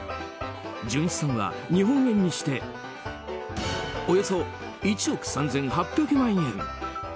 純資産は日本円にしておよそ１億３８００万円。